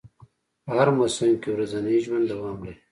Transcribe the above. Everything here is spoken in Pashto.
په هر موسم کې ورځنی ژوند دوام لري